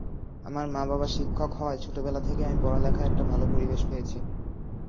আমার মা–বাবা শিক্ষক হওয়ায় ছোটবেলা থেকেই আমি পড়ালেখার একটা ভালো পরিবেশ পেয়েছি।